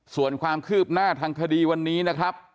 ส่วนความคืบหน้าทางคดีวันนี้นะครับ